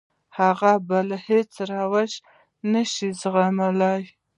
هغه بل هېڅ روش نه شي زغملی.